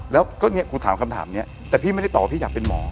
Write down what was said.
แล้วก็เนี่ยกูถามคำถามนี้แต่พี่ไม่ได้ตอบว่าพี่อยากเป็นหมอ